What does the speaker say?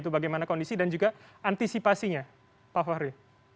bagaimana kondisi dan juga antisipasinya pak fahri